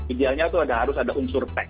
idealnya itu ada harus ada unsur tech